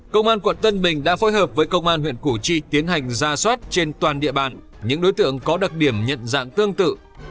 công an quận tân bình đã phối hợp với công an huyện củ chi tiến hành ra soát trên toàn địa bàn những đối tượng có đặc điểm nhận dạng tương tự